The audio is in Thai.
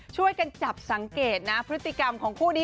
ช่วยกันจับสังเกตนะพฤติกรรมของคู่นี้